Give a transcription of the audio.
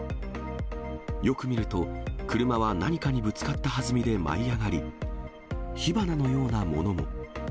よく見ると、車は何かにぶつかったはずみで舞い上がり、火花のようなものも。